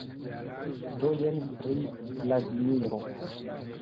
Do jen, pri Vladimiro.